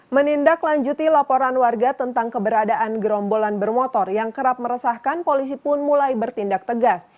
menindaklanjuti laporan warga tentang keberadaan gerombolan bermotor yang kerap meresahkan polisi pun mulai bertindak tegas